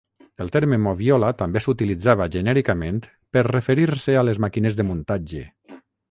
El terme moviola també s'utilitzava genèricament per referir-se a les màquines de muntatge.